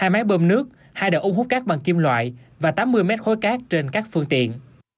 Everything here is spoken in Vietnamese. hai máy bơm nước hai đầu ống hút cát bằng kim loại và tám mươi mét khối cát trên các phương tiện